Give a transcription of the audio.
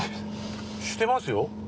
してますよ！